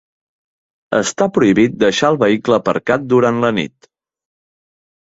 Està prohibit deixar el vehicle aparcat durant la nit.